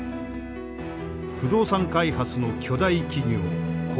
不動産開発の巨大企業恒